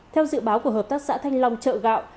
theo dự báo của hợp tác xã thanh long chợ gạo